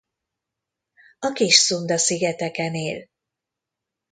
A Kis-Szunda-szigeteken él.